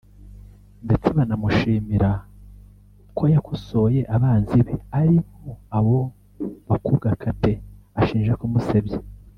ndetse banamushimira ko yakosoye abanzi be aribo abo bakobwa Kate ashinja kumusebya